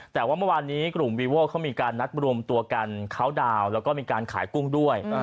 แต่ว่าเมื่อวานนี้กลุ่มวีโว้เขามีการนัดรวมตัวกันเคาน์ดาวน์แล้วก็มีการขายกุ้งด้วย